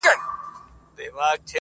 ښه نیت خوشبیني زیاتوي.